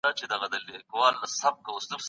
موږ د يوې روښانه ټولنې خوب وينو.